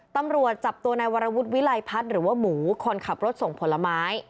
ตำรวจจับตัวนายวรวุฒิวิลัยพัฒน์หรือว่าหมูคนขับรถส่งผลไม้